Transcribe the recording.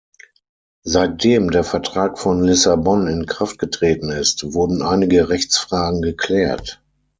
Seitdem der Vertrag von Lissabon in Kraft getreten ist, wurden einige Rechtsfragen geklärt.